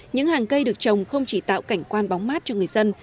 những hàng cây được trồng không chỉ tạo cảnh quan bóng mát cho người dân